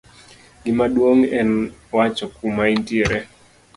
gimaduong' en wacho kuma intiere